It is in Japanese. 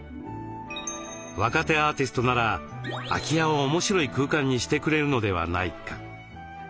若手アーティストなら空き家を面白い空間にしてくれるのではないか。